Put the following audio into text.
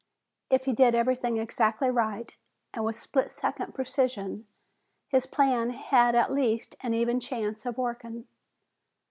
If he did everything exactly right, and with split second precision, his plan had at least an even chance of working.